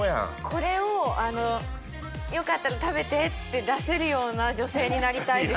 これを「よかったら食べて」って出せるような女性になりたいです。